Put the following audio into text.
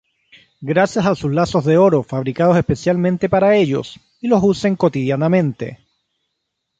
Gracias a sus lazos de oro fabricados especialmente para ellos y lo usen cotidianamente.